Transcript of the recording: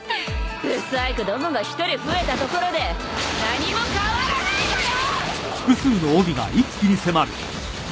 不細工どもが１人増えたところで何も変わらないのよ！